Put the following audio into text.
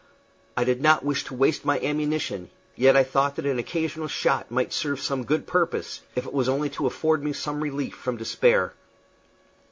I did not wish to waste my ammunition, yet I thought that an occasional shot might serve some good purpose, if it was only to afford me some relief from despair.